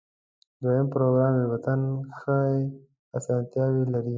دویم پروګرام نسبتاً ښې آسانتیاوې لري.